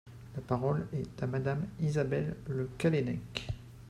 La parole est à Madame Isabelle Le Callennec.